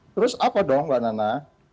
terus apa dong mbak nana